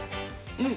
うん！